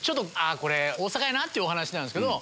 これ大阪やな！ってお話なんですけど。